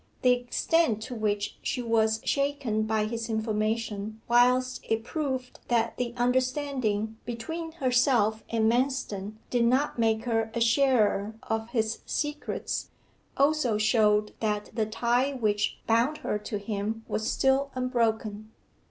The extent to which she was shaken by his information, whilst it proved that the understanding between herself and Manston did not make her a sharer of his secrets, also showed that the tie which bound her to him was still unbroken.